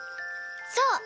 そう！